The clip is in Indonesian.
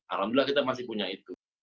alhamdulillah kita masih punya itu